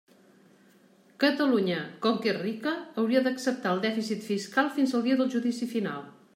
Catalunya, com que és rica, hauria d'acceptar el dèficit fiscal fins al dia del judici final.